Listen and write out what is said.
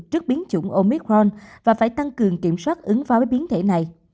trước biến chủng ôn biết khoan và phải tăng cường kiểm soát ứng phó với biến thể này